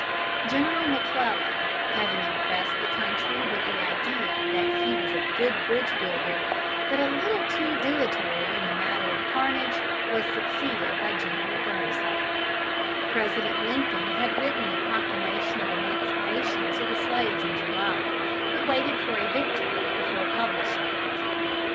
General McClellan, having impressed the country with the idea that he was a good bridge builder, but a little too dilatory in the matter of carnage, was succeeded by General Burnside. [Illustration: STILL DROPPING IN OCCASIONALLY FROM THE BACK DISTRICTS.] President Lincoln had written the Proclamation of Emancipation to the slaves in July, but waited for a victory before publishing it.